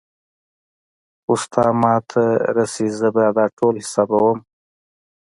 خو ستا ما ته رسي زه بيا دا ټول حسابوم.